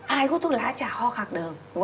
ai hút thuốc lá chả ho khạc đờm